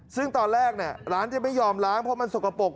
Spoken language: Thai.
ซึ่งตอนแรกร้านจะไม่ยอมล้างเพราะมันสกปรก